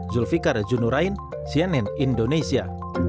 zulfikar junurain cnn indonesia